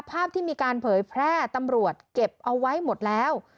ภาพที่มีการเผยแพร่ตำรวจเก็บเอาไว้หมดแล้ว